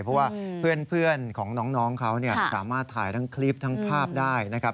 เพราะว่าเพื่อนของน้องเขาสามารถถ่ายทั้งคลิปทั้งภาพได้นะครับ